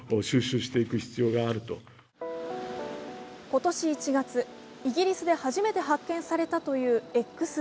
今年１月、イギリスで初めて発見されたというＸＥ。